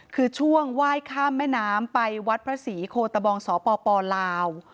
คือช่วงไหว้ข้ามแม่น้ำไปวัดพระศรีโคตะบองสปลาว